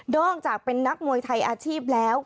อกจากเป็นนักมวยไทยอาชีพแล้ว